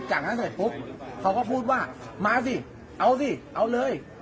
จากนั้นเสร็จปุ๊บเขาก็พูดว่ามาสิเอาสิเอาเลย